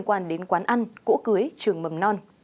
ăn cỗ cưới trường mầm non